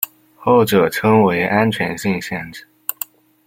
后者称为安全性限制。